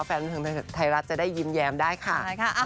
แฟนผู้ชมไทยรัดจะได้ยิ้มแยมได้ค่ะ